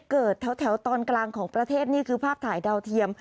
เกิดแถวตอนกลางของประเทศนี่คือภาพถ่ายดาวเทียม